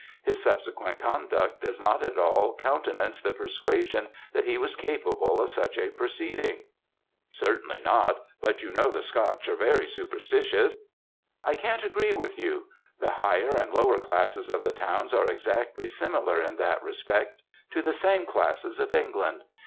His subsequent conduct does not at all countenance the persuasion that he was capable of such a proceeding.' "Certainly not; but you know the Scotch are very superstitious." "I can't agree with you; the higher and lower classes of the towns are exactly similar in that respect to the same classes of England.